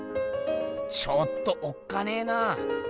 ちょっとおっかねえなあ。